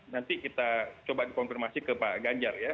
nanti kita coba dikonfirmasi ke pak ganjar ya